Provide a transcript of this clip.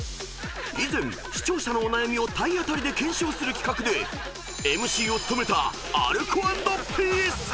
［以前視聴者のお悩みを体当たりで検証する企画でＭＣを務めた］